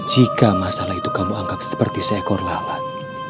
jika masalah itu kamu anggap seperti seekor lalat